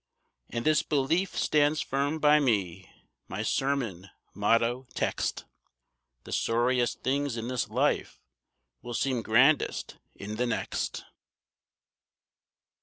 And this belief stands firm by me, my sermon, motto, text The sorriest things in this life will seem grandest in the next.